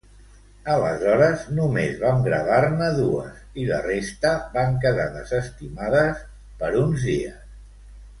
Aleshores només vam gravar-ne dues i la resta van quedar desestimades per uns dies.